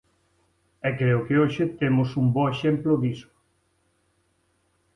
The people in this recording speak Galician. E creo que hoxe temos un bo exemplo diso.